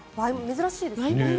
珍しいですよね。